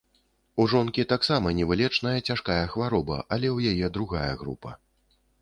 У жонкі таксама невылечная цяжкая хвароба, але ў яе другая група.